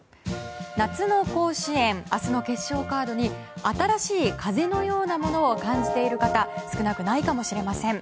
夏の甲子園明日の決勝カードに新しい風のようなものを感じている方少なくないかもしれません。